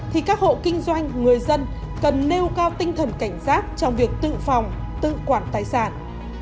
thì các hộ kinh doanh người dân cần nêu cao tinh thần cảnh giác trong việc tự phòng tự quản tài sản